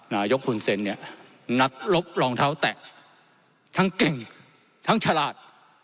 นายกคุณเซ็นเนี่ยนักรบรองเท้าแตะทั้งเก่งทั้งฉลาด